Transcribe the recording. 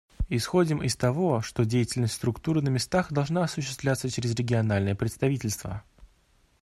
Исходим из того, что деятельность Структуры на местах должна осуществляться через региональные представительства.